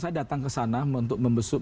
saya datang kesana untuk membesuk